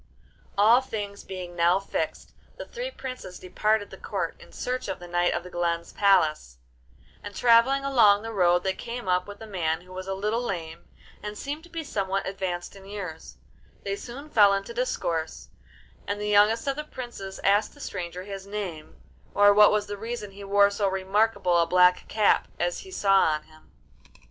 All things being now fixed, the three princes departed the Court in search of the Knight of the Glen's palace, and travelling along the road they came up with a man who was a little lame, and seemed to be somewhat advanced in years; they soon fell into discourse, and the youngest of the princes asked the stranger his name, or what was the reason he wore so remarkable a black cap as he saw on him.